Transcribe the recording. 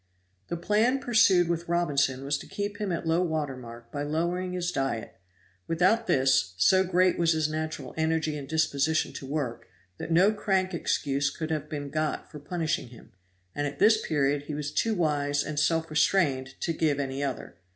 The plan pursued with Robinson was to keep him at low water mark by lowering his diet; without this, so great was his natural energy and disposition to work, that no crank excuse could have been got for punishing him, and at this period he was too wise and self restrained to give any other.